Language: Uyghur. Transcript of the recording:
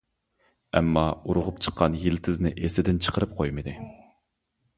ئەمما ئۇرغۇپ چىققان يىلتىزىنى ئېسىدىن چىقىرىپ قويمىدى.